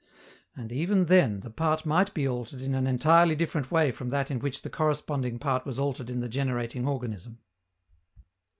And, even then, the part might be altered in an entirely different way from that in which the corresponding part was altered in the generating organism.